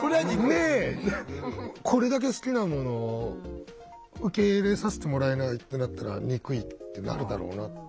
これだけ好きなものを受け入れさせてもらえないってなったら憎いってなるだろうなって。